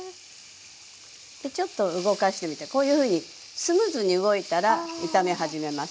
でちょっと動かしてみてこういうふうにスムーズに動いたら炒め始めます。